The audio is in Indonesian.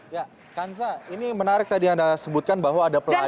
ya kansa ini menarik tadi anda sebutkan bahwa ada pelajaran